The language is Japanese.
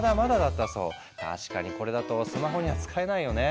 確かにこれだとスマホには使えないよね。